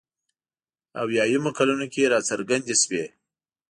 اویایمو کلونو کې راڅرګندې شوې.